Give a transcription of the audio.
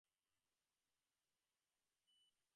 বাবা আমার নাম দিয়াছিলেন সত্যধন।